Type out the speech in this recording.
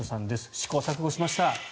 試行錯誤しました。